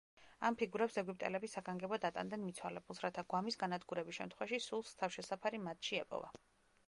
ამ ფიგურებს ეგვიპტელები საგანგებოდ ატანდნენ მიცვალებულს, რათა გვამის განადგურების შემთხვევაში სულს თავშესაფარი მათში ეპოვა.